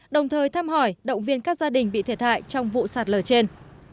đồng thời thăm hỏi động viên các gia đình bị thiệt hại trong vụ sạt lở trên